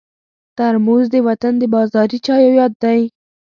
ترموز د وطن د بازاري چایو یاد دی.